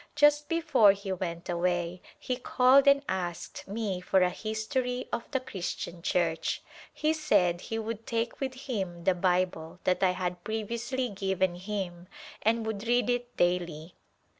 Just before he went away he called and asked me for a history of the Christian Church. He said he would take with him the Bible that I had previously given him and would read it daily.